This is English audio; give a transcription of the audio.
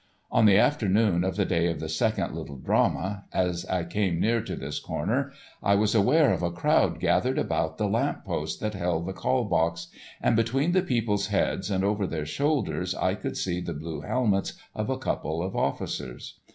On the afternoon of the day of the second Little Drama, as I came near to this corner, I was aware of a crowd gathered about the lamp post that held the call box, and between the people's heads and over their shoulders I could see the blue helmets of a couple of officers.